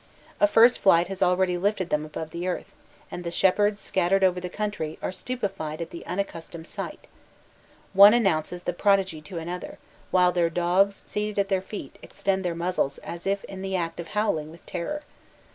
A first flight has already lifted them above the earth, and the shepherds scattered over the country are stupefied at the unaccustomed sight: one announces the prodigy to another, while their dogs seated at their feet extend their muzzles as if in the act of howling with terror.